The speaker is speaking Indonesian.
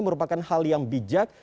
merupakan hal yang bijak